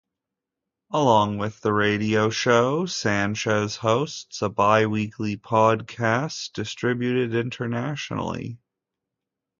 Along with the radio show, Sanchez hosts a bi-weekly podcast, distributed internationally.